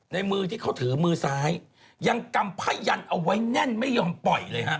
มือที่เขาถือมือซ้ายยังกำพยันเอาไว้แน่นไม่ยอมปล่อยเลยฮะ